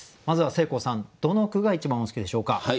まずはせいこうさんどの句が一番お好きでしょうか？